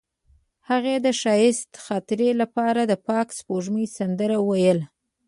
هغې د ښایسته خاطرو لپاره د پاک سپوږمۍ سندره ویله.